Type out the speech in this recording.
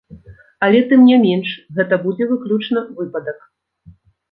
Але тым не менш, гэта будзе выключны выпадак.